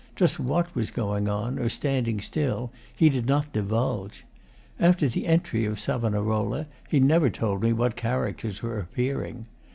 Just what was going on, or standing still, he did not divulge. After the entry of Savonarola, he never told me what characters were appearing.